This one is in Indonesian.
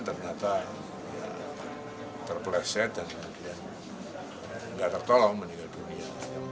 ternyata terpleset dan kemudian tidak tertolong meninggal dunia